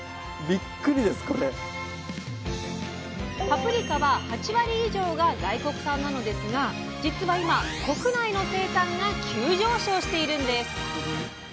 パプリカは８割以上が外国産なのですがじつは今国内の生産が急上昇しているんです！